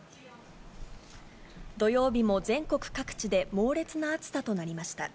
土曜日も全国各地で猛烈な暑さとなりました。